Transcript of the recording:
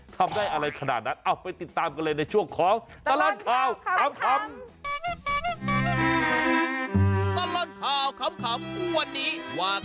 ทำได้อะไรขนาดนั้นเอาไปติดตามกันเลยในช่วงของตลอดข่าวขำ